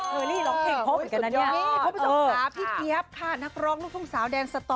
พบลูกสาวพี่จี้๊วค่านักร้องลูกทุ่งสาวแดนสตอ